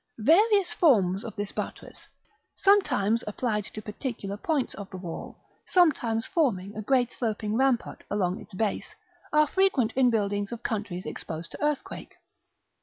Various forms of this buttress, sometimes applied to particular points of the wall, sometimes forming a great sloping rampart along its base, are frequent in buildings of countries exposed to earthquake.